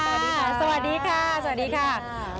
สวัสดีค่ะสวัสดีค่ะสวัสดีค่ะ